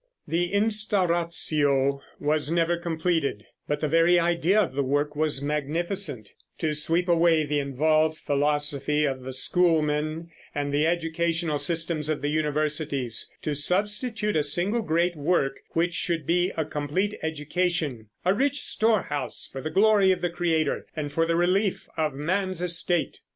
The Instauratio was never completed, but the very idea of the work was magnificent, to sweep away the involved philosophy of the schoolmen and the educational systems of the universities, and to substitute a single great work which should be a complete education, "a rich storehouse for the glory of the Creator and for the relief of man's estate."